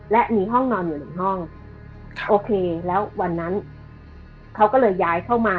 และมีห้องนอนอยู่หนึ่งห้องโอเคแล้ววันนั้นเขาก็เลยย้ายเข้ามา